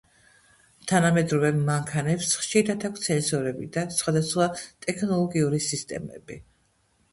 თანამედროვე მანქანებს ხშირად აქვთ სენსორები და სხვადასხვა ტექნოლოგიური სისტემები.